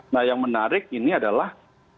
nah yang menarik ini adalah